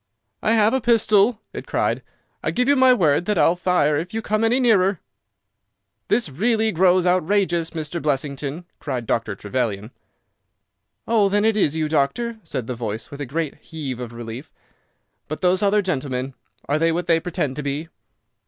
"I have a pistol," it cried. "I give you my word that I'll fire if you come any nearer." "This really grows outrageous, Mr. Blessington," cried Dr. Trevelyan. "Oh, then it is you, doctor," said the voice, with a great heave of relief. "But those other gentlemen, are they what they pretend to be?"